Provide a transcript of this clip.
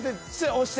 押して。